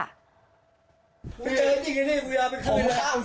เจอจริงอย่างนี้คุณอยากไปขึ้นนะ